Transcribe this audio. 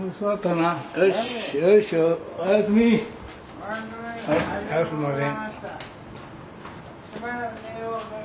はいすいません。